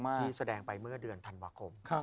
ที่แสดงไปเมื่อเดือนธันวาคม